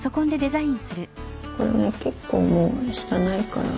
これね結構もう下ないから。